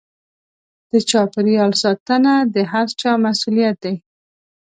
د چاپېريال ساتنه د هر چا مسووليت دی.